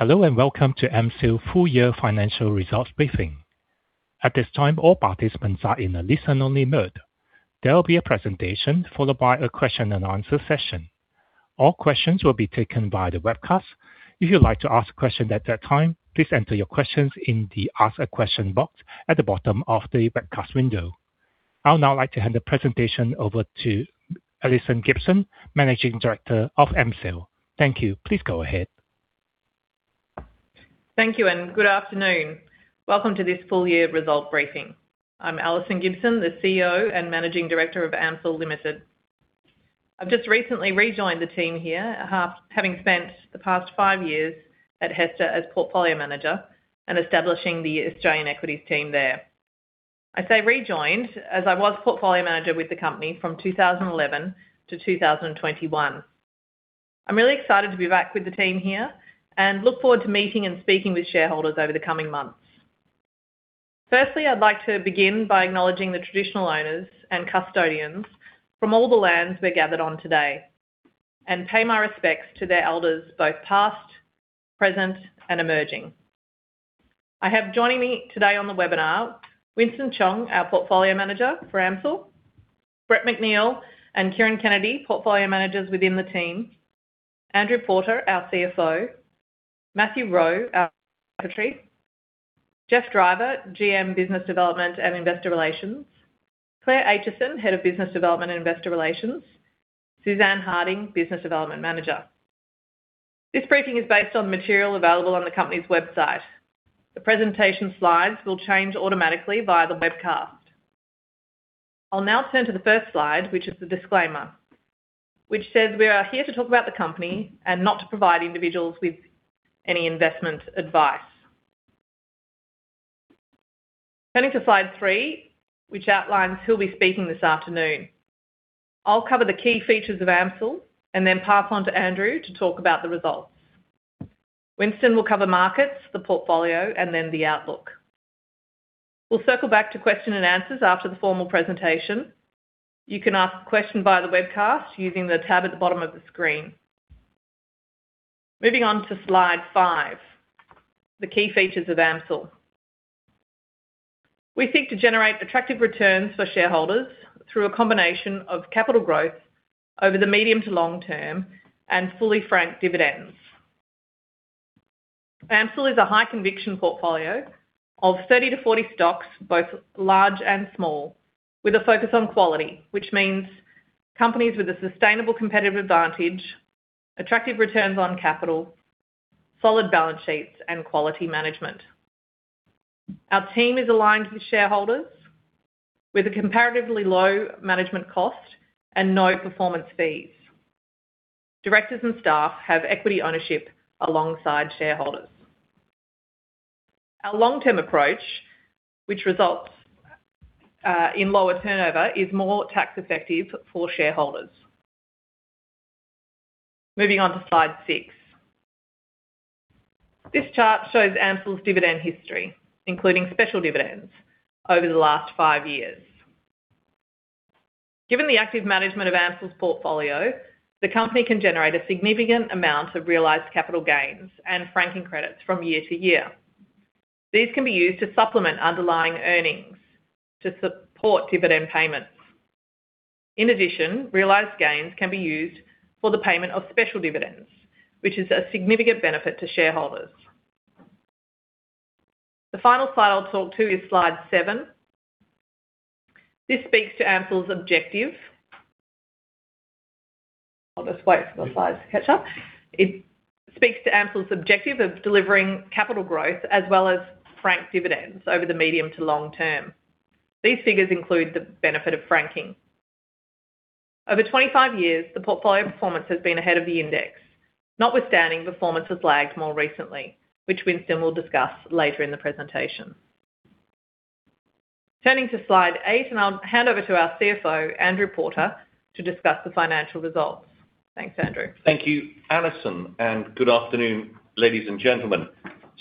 Hello, welcome to AMCIL Full Year Financial Results Briefing. At this time, all participants are in a listen-only mode. There will be a presentation followed by a question and answer session. All questions will be taken via the webcast. If you'd like to ask a question at that time, please enter your questions in the Ask a Question box at the bottom of the webcast window. I'd now like to hand the presentation over to Alison Gibson, Managing Director of AMCIL. Thank you. Please go ahead. Thank you, good afternoon. Welcome to this full year result briefing. I'm Alison Gibson, the CEO and Managing Director of AMCIL Limited. I've just recently rejoined the team here, having spent the past five years at HESTA as portfolio manager and establishing the Australian equities team there. I say rejoined as I was portfolio manager with the company from 2011 to 2021. I'm really excited to be back with the team here and look forward to meeting and speaking with shareholders over the coming months. Firstly, I'd like to begin by acknowledging the traditional owners and custodians from all the lands we're gathered on today and pay my respects to their elders, both past, present, and emerging. I have joining me today on the webinar, Winston Chong, our portfolio manager for AMCIL, Brett McNeill and Kieran Kennedy, portfolio managers within the team, Andrew Porter, our CFO, Matthew Rowe, our secretary, Geoff Driver, GM Business Development and Investor Relations, Claire Aitchison, Head of Business Development and Investor Relations, Suzanne Harding, Business Development Manager. This briefing is based on material available on the company's website. The presentation slides will change automatically via the webcast. I'll now turn to the first slide, which is the disclaimer, which says we are here to talk about the company and not to provide individuals with any investment advice. Turning to slide three, which outlines who'll be speaking this afternoon. I'll cover the key features of AMCIL and then pass on to Andrew to talk about the results. Winston will cover markets, the portfolio, and then the outlook. We'll circle back to question and answers after the formal presentation. You can ask a question via the webcast using the tab at the bottom of the screen. Moving on to slide five, the key features of AMCIL. We seek to generate attractive returns for shareholders through a combination of capital growth over the medium to long term and fully franked dividends. AMCIL is a high-conviction portfolio of 30-40 stocks, both large and small, with a focus on quality, which means companies with a sustainable competitive advantage, attractive returns on capital, solid balance sheets, and quality management. Our team is aligned with shareholders with a comparatively low management cost and no performance fees. Directors and staff have equity ownership alongside shareholders. Our long-term approach, which results in lower turnover, is more tax effective for shareholders. Moving on to slide six. This chart shows AMCIL's dividend history, including special dividends over the last five years. Given the active management of AMCIL's portfolio, the company can generate a significant amount of realized capital gains and franking credits from year to year. These can be used to supplement underlying earnings to support dividend payments. In addition, realized gains can be used for the payment of special dividends, which is a significant benefit to shareholders. The final slide I'll talk to is slide seven. This speaks to AMCIL's objective. I'll just wait for the slides to catch up. It speaks to AMCIL's objective of delivering capital growth as well as franked dividends over the medium to long term. These figures include the benefit of franking. Over 25 years, the portfolio performance has been ahead of the index. Notwithstanding, performance has lagged more recently, which Winston will discuss later in the presentation. Turning to slide eight, and I'll hand over to our CFO, Andrew Porter, to discuss the financial results. Thanks, Andrew. Thank you, Alison, and good afternoon, ladies and gentlemen.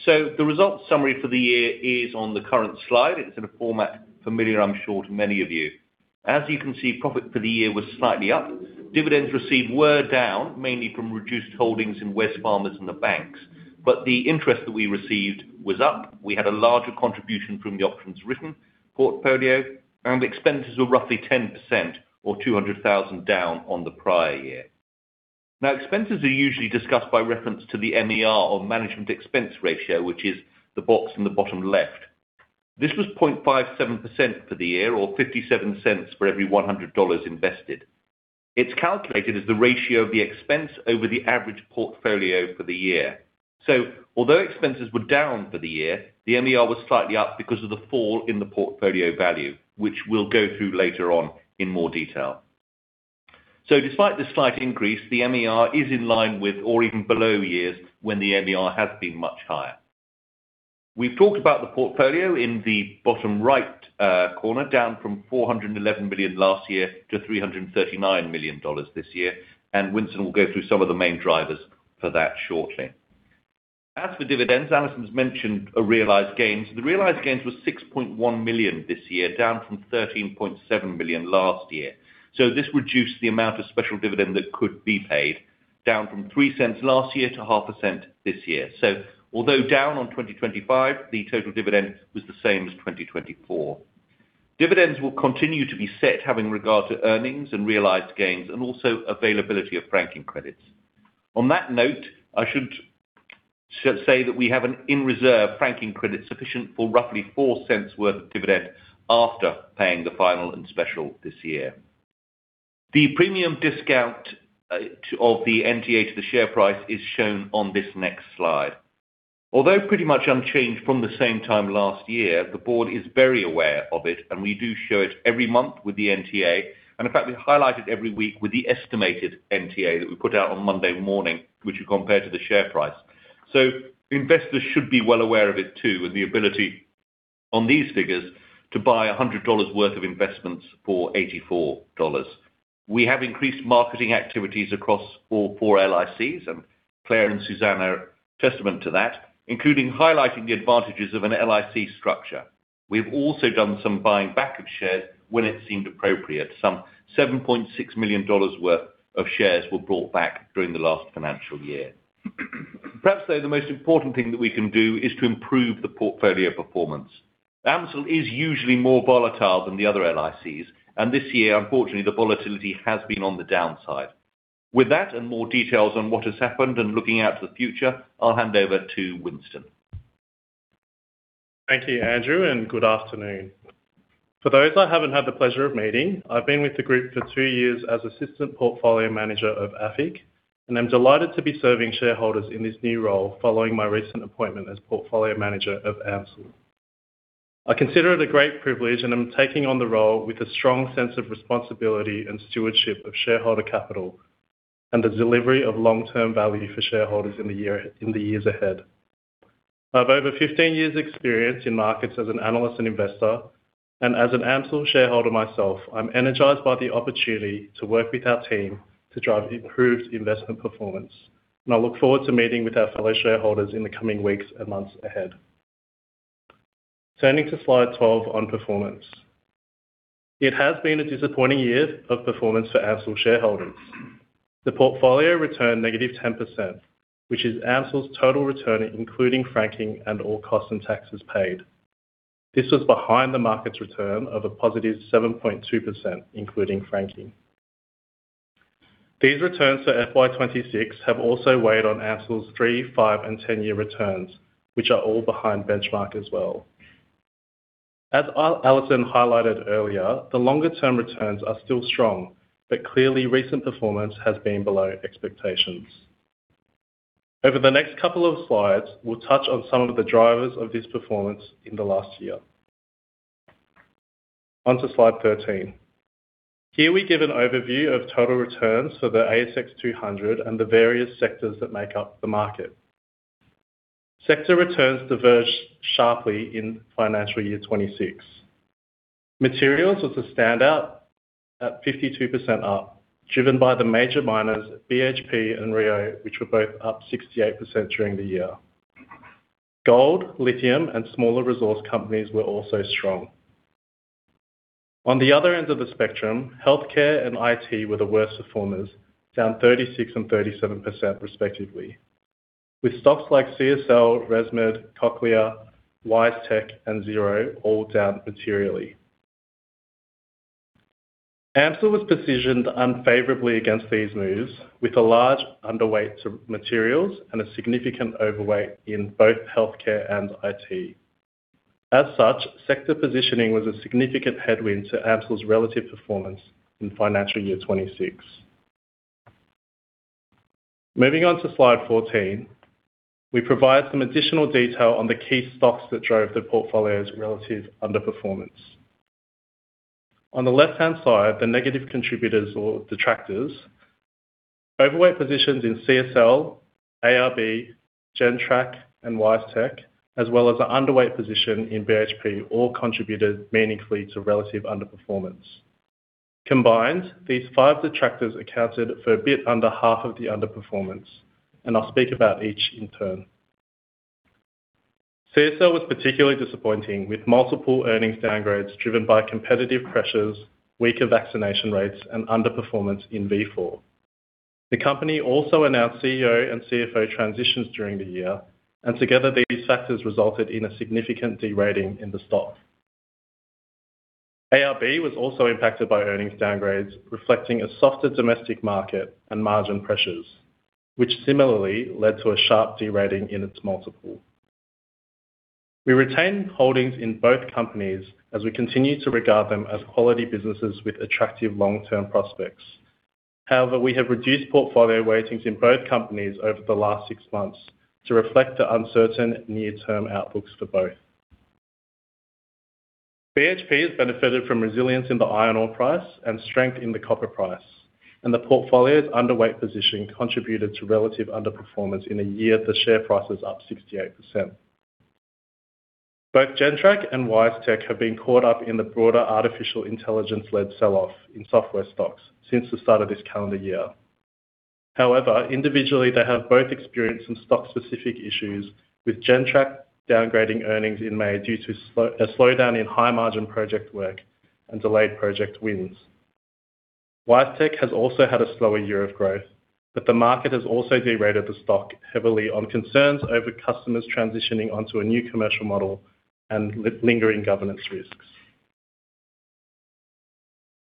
The results summary for the year is on the current slide. It's in a format familiar, I'm sure, to many of you. As you can see, profit for the year was slightly up. Dividends received were down, mainly from reduced holdings in Wesfarmers and the banks, but the interest that we received was up. We had a larger contribution from the options written portfolio, and expenses were roughly 10% or 200,000 down on the prior year. Expenses are usually discussed by reference to the MER or management expense ratio, which is the box in the bottom left. This was 0.57% for the year or 0.57 for every 100 dollars invested. It's calculated as the ratio of the expense over the average portfolio for the year. Although expenses were down for the year, the MER was slightly up because of the fall in the portfolio value, which we'll go through later on in more detail. Despite this slight increase, the MER is in line with or even below years when the MER has been much higher. We've talked about the portfolio in the bottom right corner, down from 411 million last year to 339 million dollars this year, and Winston will go through some of the main drivers for that shortly. As for dividends, Alison's mentioned a realized gain. The realized gains were 6.1 million this year, down from 13.7 million last year. This reduced the amount of special dividend that could be paid, down from 0.03 last year to AUD 0.005 this year. Although down on 2025, the total dividend was the same as 2024. Dividends will continue to be set having regard to earnings and realized gains, and also availability of franking credits. On that note, I should say that we have an in reserve franking credit sufficient for roughly 0.04 worth of dividend after paying the final and special this year. The premium discount of the NTA to the share price is shown on this next slide. Although pretty much unchanged from the same time last year, the board is very aware of it, and we do show it every month with the NTA. In fact, we highlight it every week with the estimated NTA that we put out on Monday morning, which we compare to the share price. Investors should be well aware of it too, with the ability on these figures to buy 100 dollars worth of investments for 84 dollars. We have increased marketing activities across all four LICs, and Claire and Suzanne are testament to that, including highlighting the advantages of an LIC structure. We've also done some buying back of shares when it seemed appropriate. Some 7.6 million dollars worth of shares were brought back during the last financial year. Perhaps though, the most important thing that we can do is to improve the portfolio performance. AMCIL is usually more volatile than the other LICs, and this year, unfortunately, the volatility has been on the downside. With that and more details on what has happened and looking out to the future, I'll hand over to Winston. Thank you, Andrew, and good afternoon. For those I haven't had the pleasure of meeting, I've been with the group for two years as assistant portfolio manager of AFIC, and I'm delighted to be serving shareholders in this new role following my recent appointment as portfolio manager of AMCIL. I consider it a great privilege, and I'm taking on the role with a strong sense of responsibility and stewardship of shareholder capital, and the delivery of long-term value for shareholders in the years ahead. I have over 15 years' experience in markets as an analyst and investor. As an AMCIL shareholder myself, I'm energized by the opportunity to work with our team to drive improved investment performance. I look forward to meeting with our fellow shareholders in the coming weeks and months ahead. Turning to slide 12 on performance. It has been a disappointing year of performance for AMCIL shareholders. The portfolio returned -10%, which is AMCIL's total return, including franking and all costs and taxes paid. This was behind the market's return of a +7.2%, including franking. These returns for FY 2026 have also weighed on AMCIL's three, five, and 10-year returns, which are all behind benchmark as well. As Alison highlighted earlier, the longer-term returns are still strong, but clearly recent performance has been below expectations. Over the next couple of slides, we'll touch on some of the drivers of this performance in the last year. On to slide 13. Here we give an overview of total returns for the ASX 200 and the various sectors that make up the market. Sector returns diverged sharply in financial year 2026. Materials was the standout at 52% up, driven by the major miners, BHP and Rio, which were both up 68% during the year. Gold, lithium, and smaller resource companies were also strong. On the other end of the spectrum, healthcare and IT were the worst performers, down 36% and 37% respectively, with stocks like CSL, ResMed, Cochlear, WiseTech, and Xero all down materially. AMCIL was positioned unfavorably against these moves, with a large underweight to materials and a significant overweight in both healthcare and IT. Such, sector positioning was a significant headwind to AMCIL's relative performance in financial year 2026. Moving on to slide 14, we provide some additional detail on the key stocks that drove the portfolio's relative underperformance. On the left-hand side, the negative contributors or detractors, overweight positions in CSL, ARB, Gentrack, and WiseTech, as well as an underweight position in BHP, all contributed meaningfully to relative underperformance. Combined, these five detractors accounted for a bit under half of the underperformance. I'll speak about each in turn. CSL was particularly disappointing, with multiple earnings downgrades driven by competitive pressures, weaker vaccination rates, and underperformance in Vifor. The company also announced CEO and CFO transitions during the year. Together, these factors resulted in a significant de-rating in the stock. ARB was also impacted by earnings downgrades reflecting a softer domestic market and margin pressures, which similarly led to a sharp de-rating in its multiple. We retain holdings in both companies as we continue to regard them as quality businesses with attractive long-term prospects. We have reduced portfolio weightings in both companies over the last six months to reflect the uncertain near-term outlooks for both. BHP has benefited from resilience in the iron ore price and strength in the copper price. The portfolio's underweight position contributed to relative underperformance in a year the share price is up 68%. Both Gentrack and WiseTech have been caught up in the broader artificial intelligence-led sell-off in software stocks since the start of this calendar year. Individually, they have both experienced some stock-specific issues, with Gentrack downgrading earnings in May due to a slowdown in high-margin project work and delayed project wins. WiseTech has also had a slower year of growth, but the market has also de-rated the stock heavily on concerns over customers transitioning onto a new commercial model and lingering governance risks.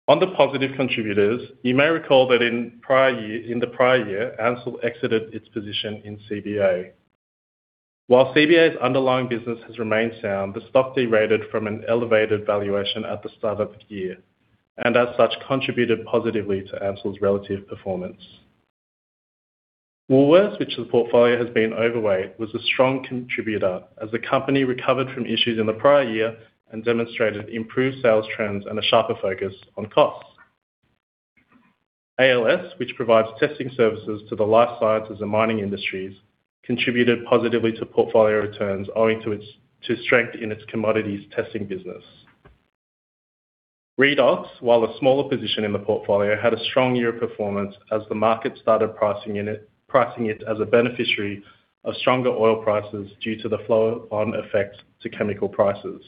On the positive contributors, you may recall that in the prior year, AMCIL exited its position in CBA. While CBA's underlying business has remained sound, the stock de-rated from an elevated valuation at the start of the year. As such, contributed positively to AMCIL's relative performance. Woolworths, which the portfolio has been overweight, was a strong contributor as the company recovered from issues in the prior year and demonstrated improved sales trends and a sharper focus on costs. ALS, which provides testing services to the life sciences and mining industries, contributed positively to portfolio returns owing to strength in its commodities testing business. Redox, while a smaller position in the portfolio, had a strong year of performance as the market started pricing it as a beneficiary of stronger oil prices due to the flow-on effect to chemical prices.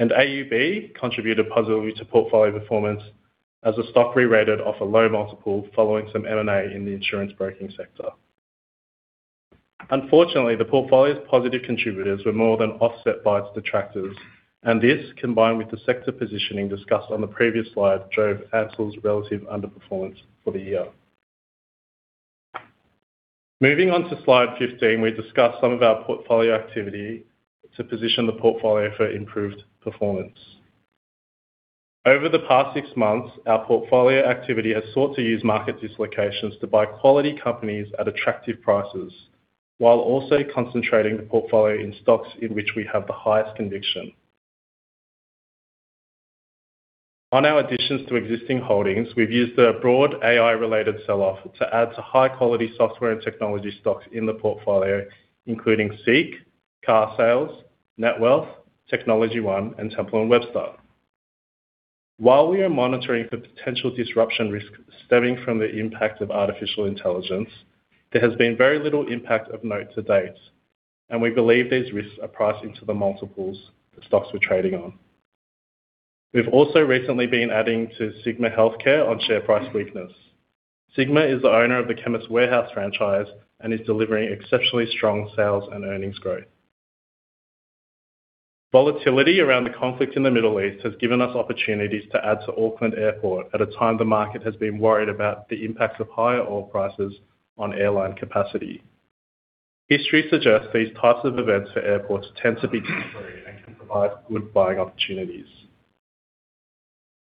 AUB contributed positively to portfolio performance as the stock re-rated off a low multiple following some M&A in the insurance broking sector. Unfortunately, the portfolio's positive contributors were more than offset by its detractors, and this, combined with the sector positioning discussed on the previous slide, drove AMCIL's relative underperformance for the year. Moving on to slide 15, we discuss some of our portfolio activity to position the portfolio for improved performance. Over the past six months, our portfolio activity has sought to use market dislocations to buy quality companies at attractive prices, while also concentrating the portfolio in stocks in which we have the highest conviction. On our additions to existing holdings, we've used the broad AI-related sell-off to add to high-quality software and technology stocks in the portfolio, including SEEK, Carsales, Netwealth, Technology One, and Temple & Webster. While we are monitoring for potential disruption risk stemming from the impact of artificial intelligence, there has been very little impact of note to date, and we believe these risks are pricing to the multiples the stocks we're trading on. We've also recently been adding to Sigma Healthcare on share price weakness. Sigma is the owner of the Chemist Warehouse franchise and is delivering exceptionally strong sales and earnings growth. Volatility around the conflict in the Middle East has given us opportunities to add to Auckland Airport at a time the market has been worried about the impacts of higher oil prices on airline capacity. History suggests these types of events for airports tend to be temporary and can provide good buying opportunities.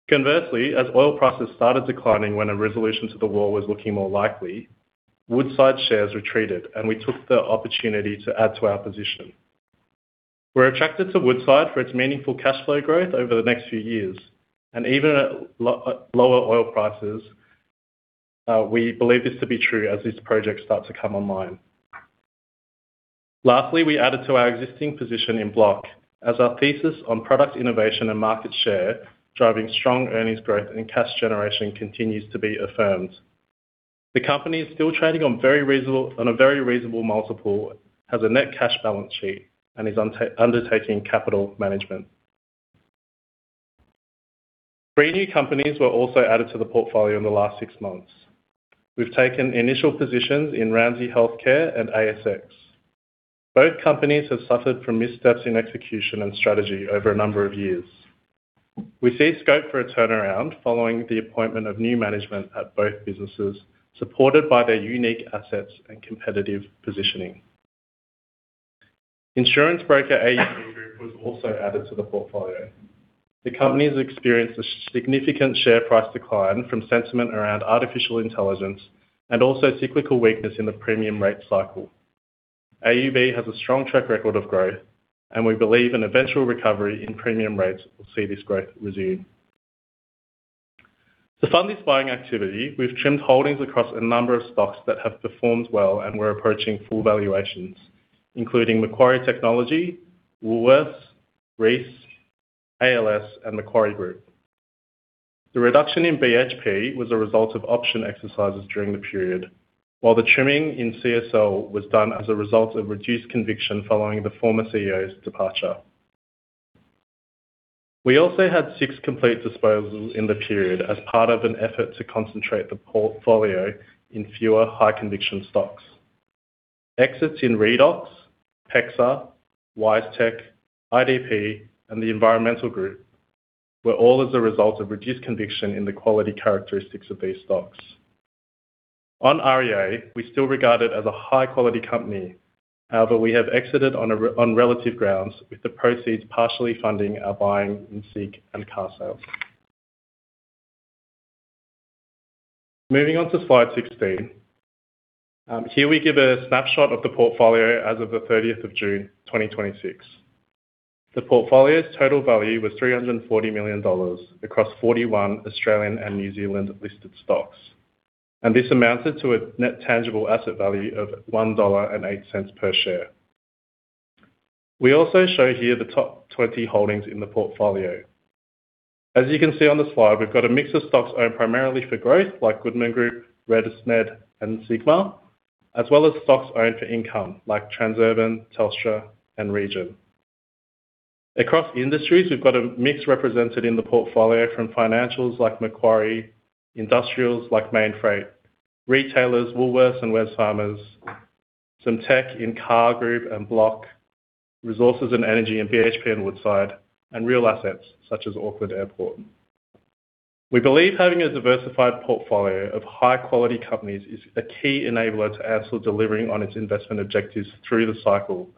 Conversely, as oil prices started declining when a resolution to the war was looking more likely, Woodside shares retreated, and we took the opportunity to add to our position. We're attracted to Woodside for its meaningful cash flow growth over the next few years, and even at lower oil prices, we believe this to be true as these projects start to come online. Lastly, we added to our existing position in Block as our thesis on product innovation and market share driving strong earnings growth and cash generation continues to be affirmed. The company is still trading on a very reasonable multiple, has a net cash balance sheet, and is undertaking capital management. Three new companies were also added to the portfolio in the last six months. We've taken initial positions in Ramsay Health Care and ASX. Both companies have suffered from missteps in execution and strategy over a number of years. We see scope for a turnaround following the appointment of new management at both businesses, supported by their unique assets and competitive positioning. Insurance broker AUB Group was also added to the portfolio. The company has experienced a significant share price decline from sentiment around artificial intelligence and also cyclical weakness in the premium rate cycle. AUB has a strong track record of growth, and we believe an eventual recovery in premium rates will see this growth resume. To fund this buying activity, we've trimmed holdings across a number of stocks that have performed well and were approaching full valuations, including Macquarie Technology, Woolworths, Reece, ALS, and Macquarie Group. The reduction in BHP was a result of option exercises during the period, while the trimming in CSL was done as a result of reduced conviction following the former CEO's departure. We also had six complete disposals in the period as part of an effort to concentrate the portfolio in fewer high-conviction stocks. Exits in Redox, PEXA, WiseTech, IDP, and the Environmental Group were all as a result of reduced conviction in the quality characteristics of these stocks. On REA, we still regard it as a high-quality company. However, we have exited on relative grounds with the proceeds partially funding our buying in SEEK and Carsales. Moving on to slide 16. Here we give a snapshot of the portfolio as of the 30th of June 2026. The portfolio's total value was 340 million dollars across 41 Australian and New Zealand-listed stocks, and this amounted to a net tangible asset value of 1.08 dollar per share. We also show here the top 20 holdings in the portfolio. As you can see on the slide, we've got a mix of stocks owned primarily for growth, like Goodman Group, ResMed, and Sigma, as well as stocks owned for income, like Transurban, Telstra, and Region. Across industries, we've got a mix represented in the portfolio from financials like Macquarie, industrials like Mainfreight, retailers, Woolworths and Wesfarmers, some tech in CAR Group and Block, resources and energy in BHP and Woodside, and real assets such as Auckland Airport. We believe having a diversified portfolio of high-quality companies is a key enabler to AMCIL delivering on its investment objectives through the cycle,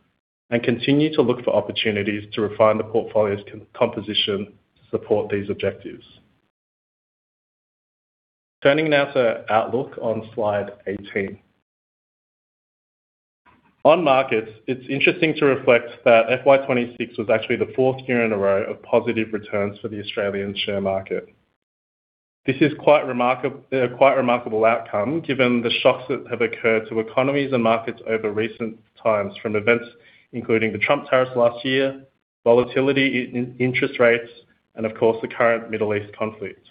and continue to look for opportunities to refine the portfolio's composition to support these objectives. Turning now to outlook on slide 18. On markets, it's interesting to reflect that FY 2026 was actually the fourth year in a row of positive returns for the Australian share market. This is quite a remarkable outcome given the shocks that have occurred to economies and markets over recent times, from events including the Trump tariffs last year, volatility in interest rates, and of course, the current Middle East conflict.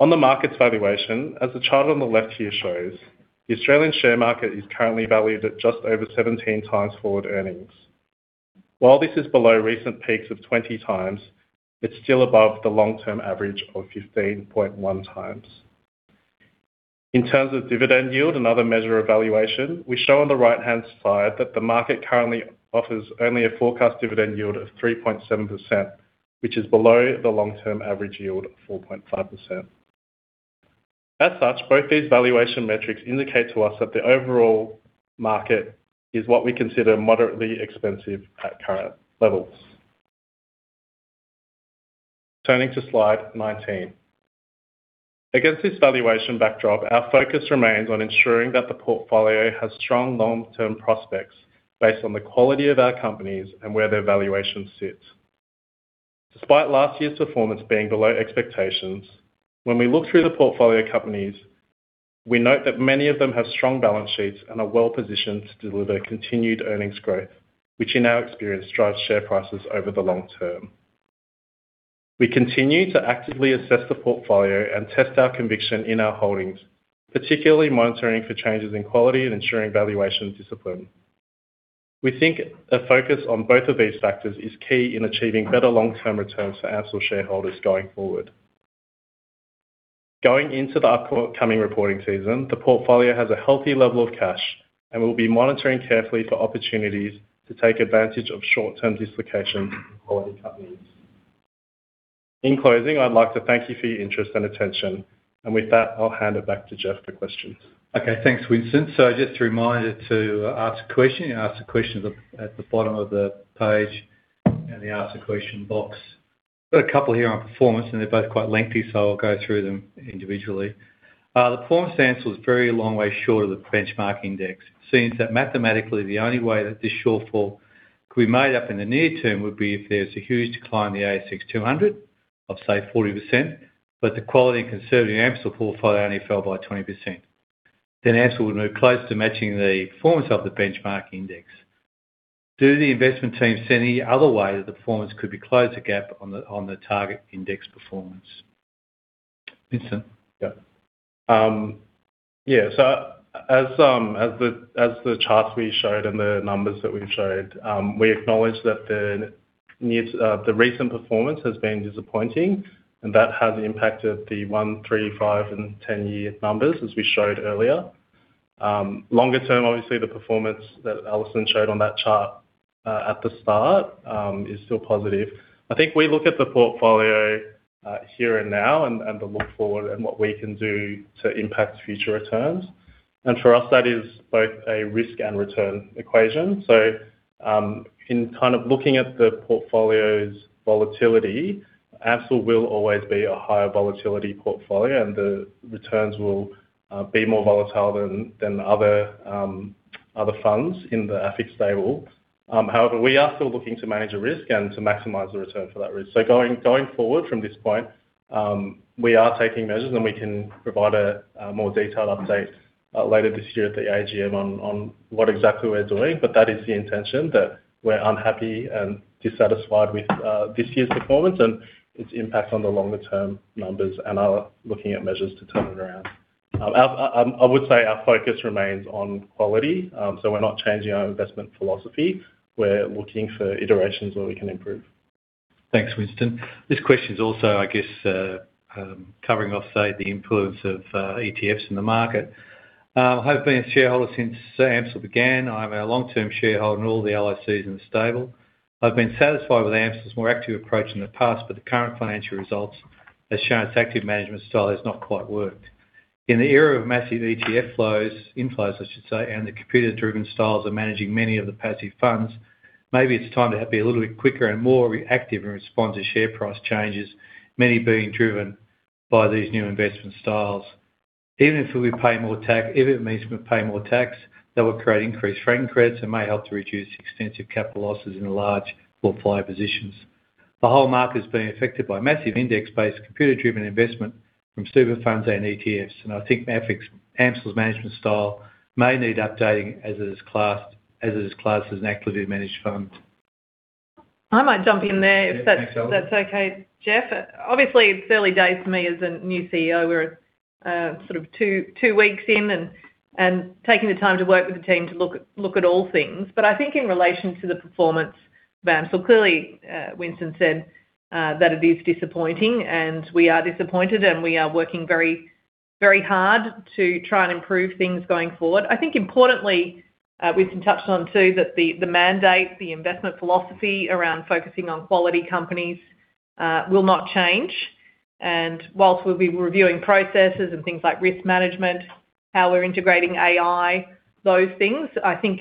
On the market valuation, as the chart on the left here shows, the Australian share market is currently valued at just over 17x forward earnings. While this is below recent peaks of 20x, it's still above the long-term average of 15.1x. In terms of dividend yield, another measure of valuation, we show on the right-hand side that the market currently offers only a forecast dividend yield of 3.7%, which is below the long-term average yield of 4.5%. As such, both these valuation metrics indicate to us that the overall market is what we consider moderately expensive at current levels. Turning to slide 19. Against this valuation backdrop, our focus remains on ensuring that the portfolio has strong long-term prospects based on the quality of our companies and where their valuation sits. Despite last year's performance being below expectations, when we look through the portfolio companies, we note that many of them have strong balance sheets and are well-positioned to deliver continued earnings growth, which in our experience, drives share prices over the long term. We continue to actively assess the portfolio and test our conviction in our holdings, particularly monitoring for changes in quality and ensuring valuation discipline. We think a focus on both of these factors is key in achieving better long-term returns for AMCIL shareholders going forward. Going into the upcoming reporting season, the portfolio has a healthy level of cash, and we will be monitoring carefully for opportunities to take advantage of short-term dislocation in quality companies. In closing, I would like to thank you for your interest and attention, and with that, I will hand it back to Geoff for questions. Okay. Thanks, Winston. Just a reminder to ask a question, you ask a question at the bottom of the page in the Ask a Question box. I have a couple here on performance, they are both quite lengthy, so I will go through them individually. The performance answer was very long way short of the benchmark index. It seems that mathematically the only way that this shortfall could be made up in the near term would be if there is a huge decline in the ASX 200 of, say, 40%, the quality and conservative AMCIL portfolio only fell by 20%. AMCIL would move close to matching the performance of the benchmark index. Do the investment teams see any other way that the performance could close the gap on the target index performance? Winston? Yeah. As the chart we showed and the numbers that we have showed, we acknowledge that the recent performance has been disappointing, and that has impacted the one, three, five, and 10-year numbers, as we showed earlier. Longer term, obviously, the performance that Alison showed on that chart, at the start, is still positive. I think we look at the portfolio here and now and the look forward and what we can do to impact future returns. For us, that is both a risk and return equation. In looking at the portfolio's volatility, AMCIL will always be a higher volatility portfolio, and the returns will be more volatile than other funds in the AFIC stable. However, we are still looking to manage the risk and to maximize the return for that risk. Going forward from this point, we are taking measures, we can provide a more detailed update later this year at the AGM on what exactly we are doing. That is the intention, that we are unhappy and dissatisfied with this year's performance and its impact on the longer-term numbers and are looking at measures to turn it around. I would say our focus remains on quality, we are not changing our investment philosophy. We are looking for iterations where we can improve. Thanks, Winston. This question's also, I guess, covering off, say, the influence of ETFs in the market. "I have been a shareholder since AMCIL began. I'm a long-term shareholder in all the LICs in the stable. I've been satisfied with AMCIL's more active approach in the past, but the current financial results have shown its active management style has not quite worked. In the era of massive ETF flows, inflows, I should say, and the computer-driven styles are managing many of the passive funds, maybe it's time to be a little bit quicker and more reactive in response to share price changes, many being driven by these new investment styles. Even if it means we pay more tax, that would create increased franking credits and may help to reduce extensive capital losses in the large portfolio positions. The whole market is being affected by massive index-based, computer-driven investment from super funds and ETFs. I think AFIC's, AMCIL's management style may need updating as it is classed as an actively managed fund." I might jump in there- Yeah. Thanks, Alison. If that's okay, Geoff. Obviously, it's early days for me as a new CEO. We're sort of two weeks in and taking the time to work with the team to look at all things. I think in relation to the performance, clearly Winston said that it is disappointing, and we are disappointed, and we are working very hard to try and improve things going forward. I think importantly, Winston touched on too, that the mandate, the investment philosophy around focusing on quality companies will not change. Whilst we'll be reviewing processes and things like risk management, how we're integrating AI, those things, I think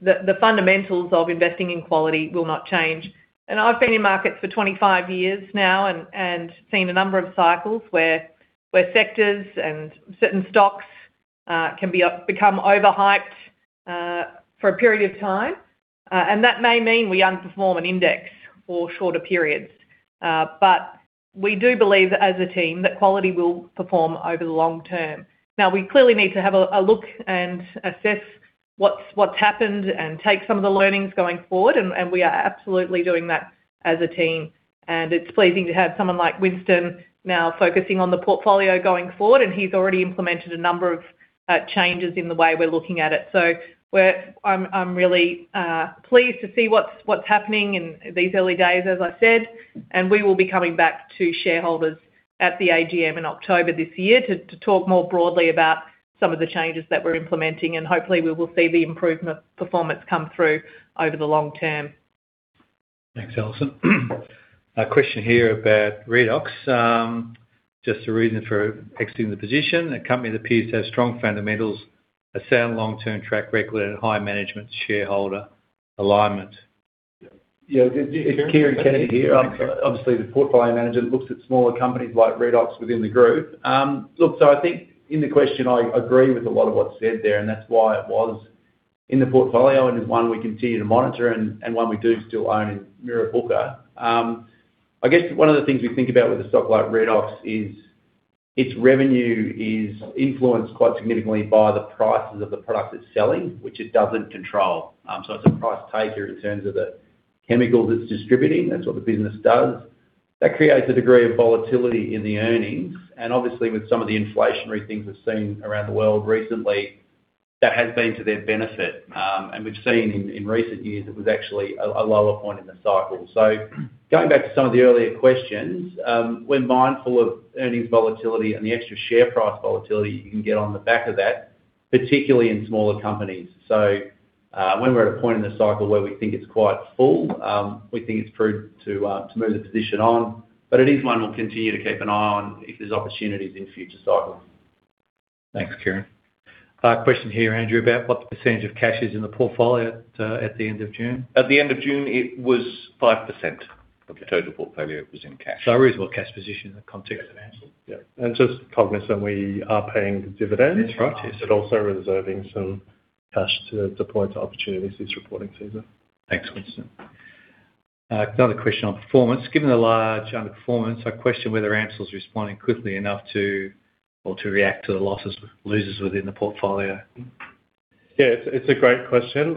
the fundamentals of investing in quality will not change. I've been in markets for 25 years now and seen a number of cycles where sectors and certain stocks can become over-hyped for a period of time, and that may mean we underperform an index for shorter periods. We do believe, as a team, that quality will perform over the long term. Now, we clearly need to have a look and assess what's happened and take some of the learnings going forward, and we are absolutely doing that as a team. It's pleasing to have someone like Winston now focusing on the portfolio going forward, and he's already implemented a number of changes in the way we're looking at it. I'm really pleased to see what's happening in these early days, as I said, and we will be coming back to shareholders at the AGM in October this year to talk more broadly about some of the changes that we're implementing, and hopefully we will see the improvement performance come through over the long term. Thanks, Alison. A question here about Redox. Just the reason for exiting the position. A company that appears to have strong fundamentals, a sound long-term track record, and high management shareholder alignment. Yeah. It's Kieran Kennedy here. Obviously, the portfolio manager looks at smaller companies like Redox within the group. I think in the question, I agree with a lot of what's said there, and that's why it was in the portfolio and is one we continue to monitor and one we do still own in Mirrabooka. I guess one of the things we think about with a stock like Redox is its revenue is influenced quite significantly by the prices of the product it's selling, which it doesn't control. It's a price taker in terms of the chemicals it's distributing. That's what the business does. That creates a degree of volatility in the earnings, and obviously with some of the inflationary things we've seen around the world recently, that has been to their benefit. We've seen in recent years, it was actually a lower point in the cycle. Going back to some of the earlier questions, we're mindful of earnings volatility and the extra share price volatility you can get on the back of that, particularly in smaller companies. When we're at a point in the cycle where we think it's quite full, we think it's prudent to move the position on, but it is one we'll continue to keep an eye on if there's opportunities in future cycles. Thanks, Kieran. A question here, Andrew, about what percent of cash is in the portfolio at the end of June. At the end of June, it was 5% of the total portfolio was in cash. A reasonable cash position in the context of AMCIL. Yeah. Just cognizant we are paying the dividend. That's right. Also reserving some cash to deploy to opportunities this reporting season. Thanks, Winston. Another question on performance. Given the large underperformance, I question whether AMCIL's responding quickly enough to react to the losers within the portfolio. Yeah, it's a great question.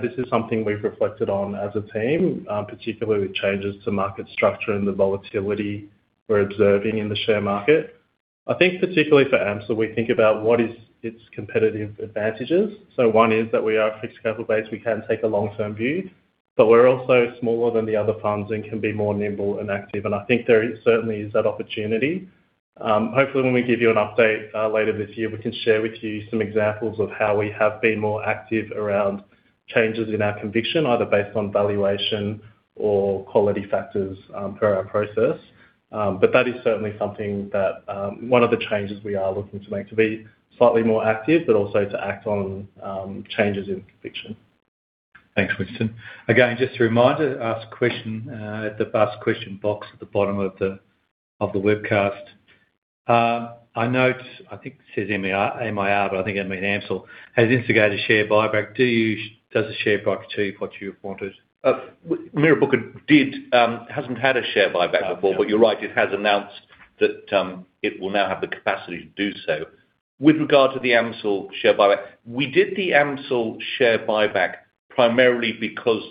This is something we've reflected on as a team, particularly with changes to market structure and the volatility we're observing in the share market. I think particularly for AMCIL, we think about what is its competitive advantages. One is that we are fixed capital base. We can take a long-term view, we're also smaller than the other funds and can be more nimble and active, I think there certainly is that opportunity. Hopefully, when we give you an update later this year, we can share with you some examples of how we have been more active around changes in our conviction, either based on valuation or quality factors per our process. That is certainly something that one of the changes we are looking to make, to be slightly more active, also to act on changes in conviction. Thanks, Winston. Again, just a reminder, ask question at the Ask Question box at the bottom of the webcast. I note, I think it says Mirrabooka, I think it means AMCIL, has instigated share buyback. Does the share buyback achieve what you have wanted? Mirrabooka hasn't had a share buyback before, you're right, it has announced that it will now have the capacity to do so. With regard to the AMCIL share buyback, we did the AMCIL share buyback primarily because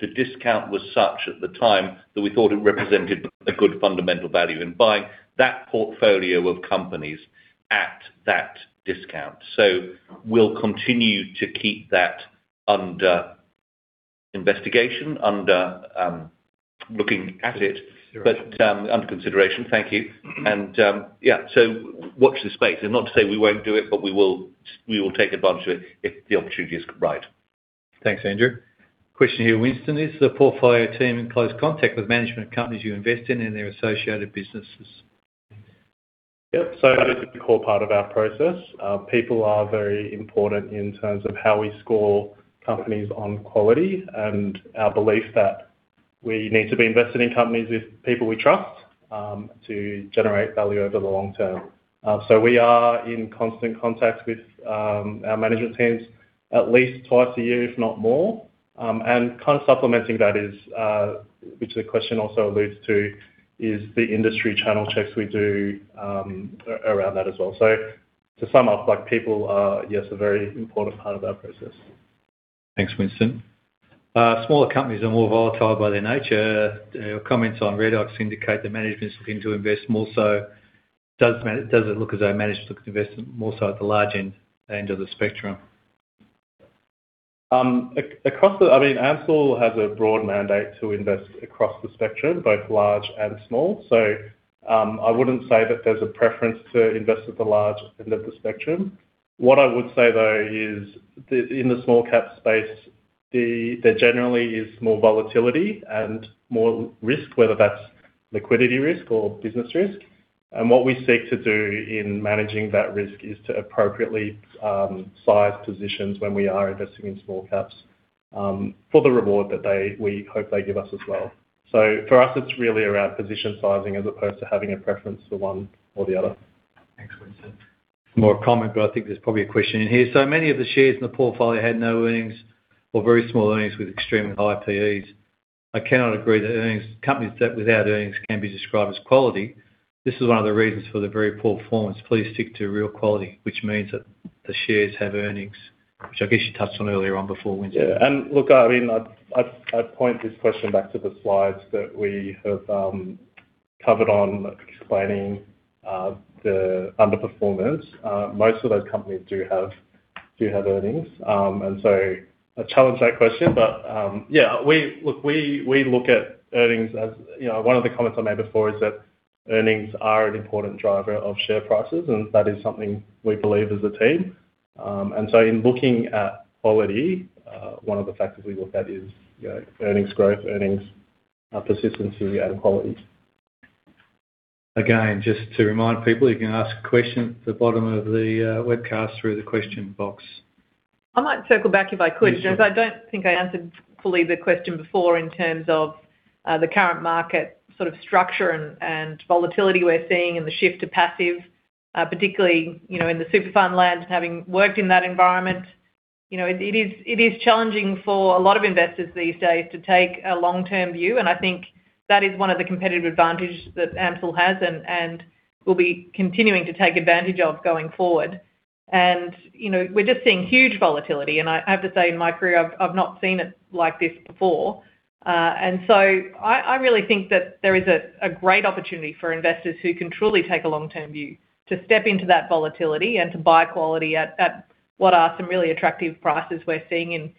the discount was such at the time that we thought it represented a good fundamental value in buying that portfolio of companies at that discount. We'll continue to keep that under investigation, under looking at it. Consideration. Under consideration. Thank you. Watch this space, not to say we won't do it, but we will take advantage of it if the opportunity is right. Thanks, Andrew. Question here, Winston: Is the portfolio team in close contact with management companies you invest in and their associated businesses? Yep. That is a core part of our process. People are very important in terms of how we score companies on quality and our belief that we need to be invested in companies with people we trust, to generate value over the long term. We are in constant contact with our management teams at least twice a year, if not more. Kind of supplementing that is, which the question also alludes to, is the industry channel checks we do around that as well. To sum up, people are, yes, a very important part of our process. Thanks, Winston. Smaller companies are more volatile by their nature. Your comments on Redox indicate that management's looking to invest more so. Does it look as though management's looking to invest more so at the large end of the spectrum? AMCIL has a broad mandate to invest across the spectrum, both large and small. I wouldn't say that there's a preference to invest at the large end of the spectrum. What I would say, though, is in the small cap space, there generally is more volatility and more risk, whether that's liquidity risk or business risk. What we seek to do in managing that risk is to appropriately size positions when we are investing in small caps, for the reward that we hope they give us as well. For us, it's really around position sizing as opposed to having a preference for one or the other. Thanks, Winston. More a comment, I think there's probably a question in here. Many of the shares in the portfolio had no earnings or very small earnings with extremely high PEs. I cannot agree that companies without earnings can be described as quality. This is one of the reasons for the very poor performance. Please stick to real quality, which means that the shares have earnings, which I guess you touched on earlier on before, Winston. Look, I'd point this question back to the slides that we have covered on explaining the underperformance. Most of those companies do have earnings, I challenge that question. We look at earnings as, one of the comments I made before is that earnings are an important driver of share prices, and that is something we believe as a team. In looking at quality, one of the factors we look at is earnings growth, earnings persistence is the other quality. Again, just to remind people, you can ask a question at the bottom of the webcast through the question box. I might circle back if I could. Yeah, sure. I don't think I answered fully the question before in terms of the current market structure and volatility we're seeing and the shift to passive, particularly in the super fund land and having worked in that environment. It is challenging for a lot of investors these days to take a long-term view, and I think that is one of the competitive advantage that AMCIL has and will be continuing to take advantage of going forward. We're just seeing huge volatility, and I have to say, in my career, I've not seen it like this before. I really think that there is a great opportunity for investors who can truly take a long-term view to step into that volatility and to buy quality at what are some really attractive prices we're seeing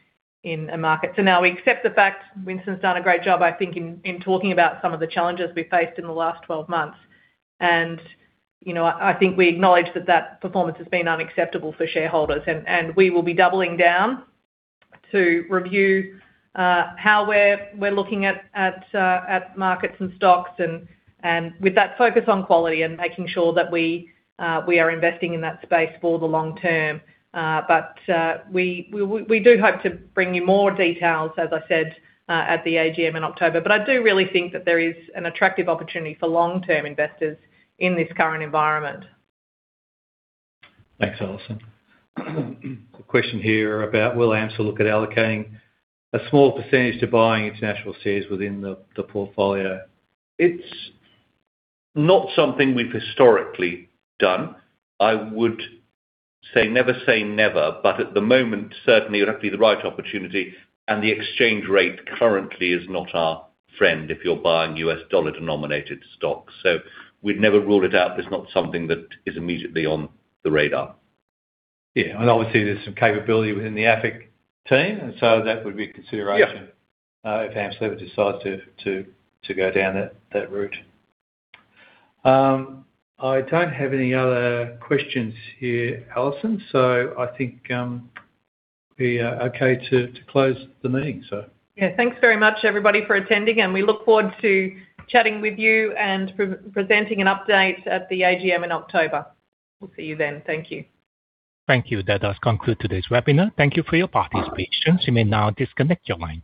in a market. Now we accept the fact Winston's done a great job, I think, in talking about some of the challenges we faced in the last 12 months. I think we acknowledge that that performance has been unacceptable for shareholders, and we will be doubling down to review how we're looking at markets and stocks and with that focus on quality and making sure that we are investing in that space for the long term. We do hope to bring you more details, as I said, at the AGM in October. I do really think that there is an attractive opportunity for long-term investors in this current environment. Thanks, Alison. A question here about will AMCIL look at allocating a small percentage to buying international shares within the portfolio? It's not something we've historically done. I would say never say never, but at the moment, certainly it would have to be the right opportunity, and the exchange rate currently is not our friend if you're buying U.S. dollar-denominated stocks. We'd never rule it out, but it's not something that is immediately on the radar. Obviously there's some capability within the AFIC team. That would be a consideration- Yeah. -if AMCIL ever decides to go down that route. I don't have any other questions here, Alison, I think it'd be okay to close the meeting. Yeah. Thanks very much, everybody, for attending, and we look forward to chatting with you and presenting an update at the AGM in October. We'll see you then. Thank you. Thank you. That does conclude today's webinar. Thank you for your participation. You may now disconnect your lines.